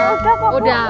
udah kok bu udah semuanya